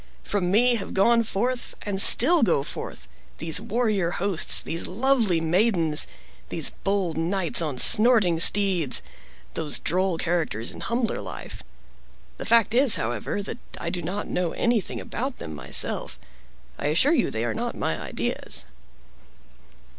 From me have gone forth, and still go forth, these warrior hosts, these lovely maidens, these bold knights on snorting steeds, those droll characters in humbler life. The fact is, however, that I do not know anything about them myself. I assure you they are not my ideas."